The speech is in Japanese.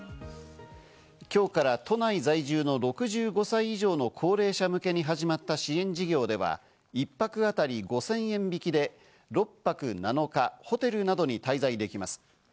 今日から都内在住の６５歳以上の高齢者向けに始まった支援事業では、１泊あたり５０００円引きで６泊７日、ホテルなどに滞在できます。